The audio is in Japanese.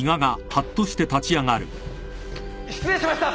失礼しました！